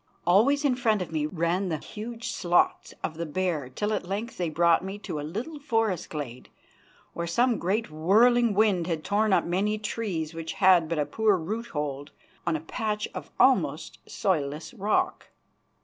Always in front of me ran the huge slots of the bear till at length they brought me to a little forest glade, where some great whirling wind had torn up many trees which had but a poor root hold on a patch of almost soilless rock.